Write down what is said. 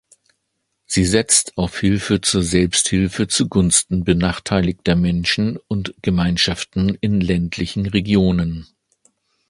Sie setzt auf Hilfe zur Selbsthilfe zugunsten benachteiligter Menschen und Gemeinschaften in ländlichen Regionen.